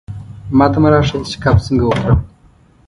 ماته مه را ښیه چې کب څنګه وخورم.